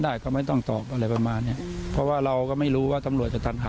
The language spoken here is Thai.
เด็กที่จะปรึกษาบ้างนะคะ